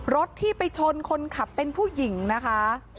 รถที่ไปชนคนขับเป็นผู้หญิงนะคะ